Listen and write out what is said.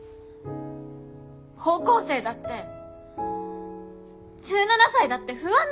高校生だって１７才だって不安なんだよ。